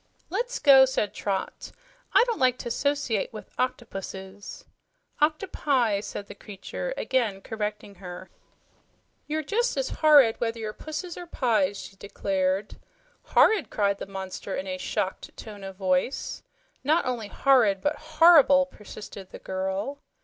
"Let's go," said Trot. "I don't like to 'sociate with octopuses." "OctoPI," said the creature, again correcting her. "You're jus' as horrid whether you're puses or pies," she declared. "Horrid!" cried the monster in a shocked tone of voice. "Not only horrid, but horrible!" persisted the girl.